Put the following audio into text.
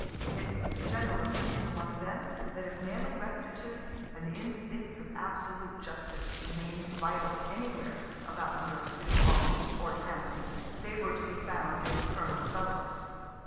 It was the general opinion among them that if manly rectitude and the instincts of absolute justice remain'd vital anywhere about New York City Hall, or Tammany, they were to be found in Col. Fellows.